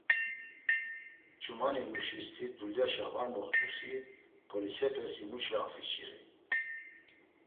Ç̌umanimuşisti dulyaşa var moxt̆usi polisepes himuşe afiçirey.